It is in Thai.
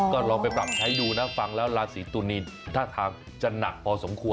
ก็ลองไปปรับใช้ดูนะฟังแล้วราศีตุนีนท่าทางจะหนักพอสมควร